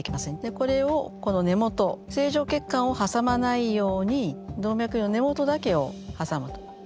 これをこの根元を正常血管を挟まないように動脈瘤の根元だけを挟むと。